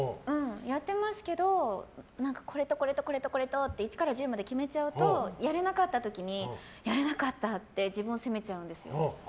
やってますけどこれと、これとって１から１０まで決めちゃうとやれなかった時にやれなかったって自分を責めちゃうんです。